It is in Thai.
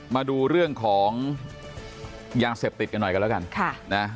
มาดูเรื่องของยาเสพติดกันหน่อยกันแล้วกัน